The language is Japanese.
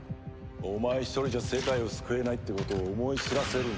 お前一人じゃ世界を救えないってことを思い知らせるんだよ。